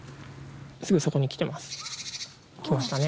すぐそこに来てます来ましたね